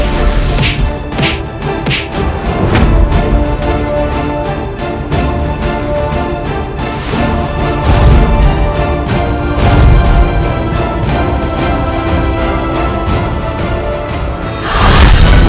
tikir bisa mengalahkanku dengan juru seperti itu